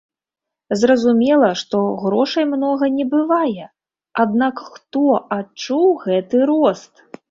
Зразумела, што грошай многа не бывае, аднак хто адчуў гэты рост?